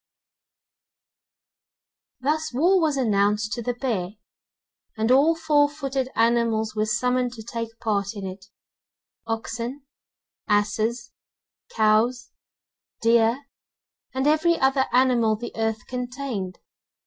Thus war was announced to the Bear, and all four footed animals were summoned to take part in it, oxen, asses, cows, deer, and every other animal the earth contained.